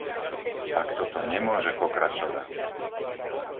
Takto to nemôže pokračovať!